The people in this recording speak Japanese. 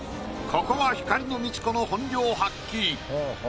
ここは「光の道子」の本領発揮。